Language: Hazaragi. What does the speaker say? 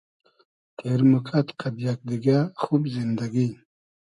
تېر موکئد قئد یئگ دیگۂ خوب زیندئگی